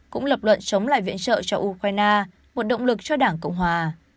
cũng lập luận chống lại viện trợ cho ukraine một động lực cho đảng cộng hòa